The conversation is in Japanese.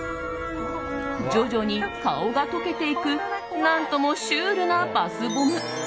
徐々に顔が溶けていく何ともシュールなバスボム。